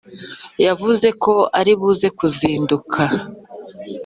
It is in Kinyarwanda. yavuze ko ari buze kuzinduka